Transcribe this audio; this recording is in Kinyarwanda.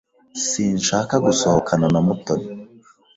Sinshaka gusohokana na Mutoni.